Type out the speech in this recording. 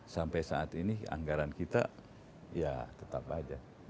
sampai saat ini anggaran kita ya tetap aja